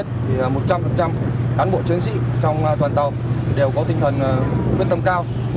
thì một trăm linh cán bộ chiến sĩ trong toàn tàu đều có tinh thần quyết tâm cao